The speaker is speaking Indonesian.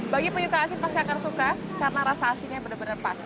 bagi penyuka asin pasti akan suka karena rasa asinnya benar benar pas